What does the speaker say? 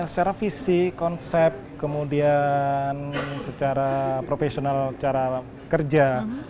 secara visi konsep kemudian secara profesional cara kerja